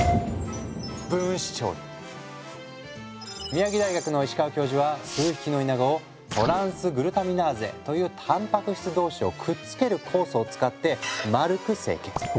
宮城大学の石川教授は数匹のイナゴをトランスグルタミナーゼというタンパク質同士をくっつける酵素を使って丸く成形。